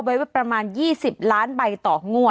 ไว้ประมาณ๒๐ล้านใบต่องวด